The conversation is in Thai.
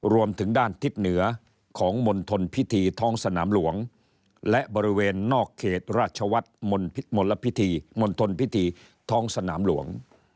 รวมถึงด้านทิศเหนือของมณฑลพิธีท้องสนามหลวงและบริเวณนอกเขตราชวัฒน์มลพิธีมณฑลพิธีท้องสนามหลวง